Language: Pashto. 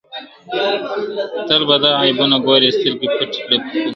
تل د بل عیبونه ګورې سترګي پټي کړې پر خپلو !.